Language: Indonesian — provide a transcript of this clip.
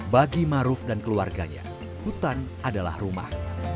bagi maruf dan keluarganya hutan adalah rumah